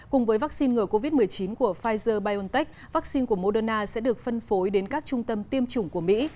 cùng với vaccine ngừa covid một mươi chín của pfizer biontech vaccine của moderna sẽ được phân phối đến các trung tâm tiêm chủng của mỹ